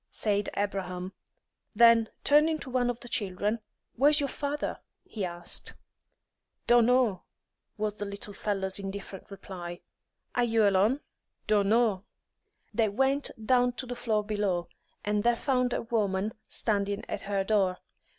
said Abraham. Then turning to one of the children, "Where's your father?" he asked. "Dono," was the little fellow's indifferent reply. "Are you alone?" "Dono." They went down to the floor below, and there found a woman standing at her door.